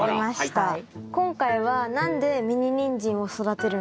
はい。